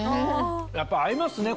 やっぱ合いますね